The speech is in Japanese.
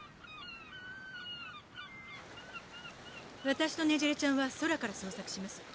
私とネジレちゃんは空から捜索します。